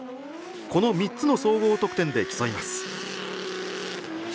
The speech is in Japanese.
この３つの総合得点で競います。